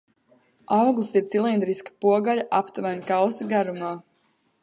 Auglis ir cilindriska pogaļa aptuveni kausa garumā.